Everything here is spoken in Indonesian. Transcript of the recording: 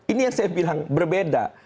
ini yang saya bilang berbeda